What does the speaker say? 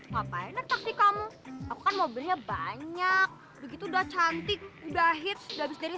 ngapain taksi kamu aku kan mobilnya banyak begitu udah cantik udah hit udah habis dari